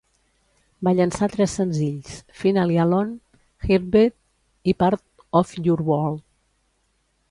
Va llançar tres senzills: "Finally Alone", "Heartbeat" i Part of Your World.